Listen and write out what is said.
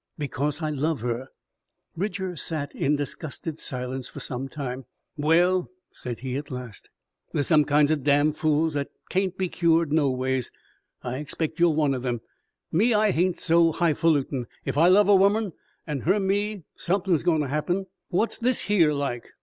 "Because I love her!" Bridger sat in disgusted silence for some time. "Well," said he at last, "there's some kinds o' damned fools that kain't be cured noways. I expect you're one o' them. Me, I hain't so highfalutin'. Ef I love a womern, an' her me, somethin's goin' to happen. What's this here like?